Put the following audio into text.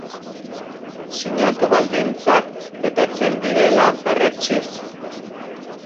Sinatu, baldintzak betetzen direla berretsiz.